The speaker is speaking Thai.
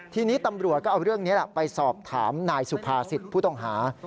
ทีนี้ตำรวจก็เอาเรื่องนี้ไปสอบถามนายสุภาษิตผู้ต้องหา